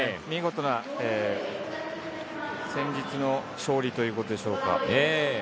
見事な戦術の勝利ということでしょうか。